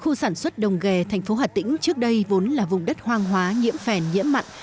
khu sản xuất đồng ghe thành phố hà tĩnh trước đây vốn là vùng đất hoang hóa nhiễm phèn nhiễm mặn